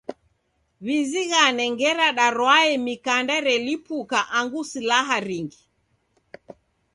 W'izighane ngera darwae mikanda relipuka angu silaha ringi.